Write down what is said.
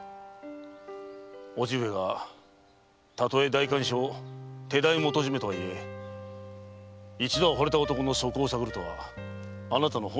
叔父上がたとえ代官所手代元締とはいえ一度は惚れた男の素行を探るとはあなたの本意ではあるまい。